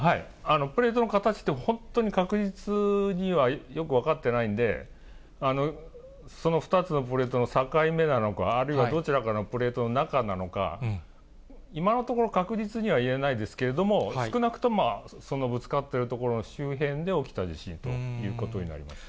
プレートの形って、本当に確実にはよく分かってないんで、その２つのプレートの境目なのか、あるいはどちらかのプレートの中なのか、今のところ確実には言えないですけれども、少なくとも、そのぶつかってる所の周辺で起きた地震ということになります。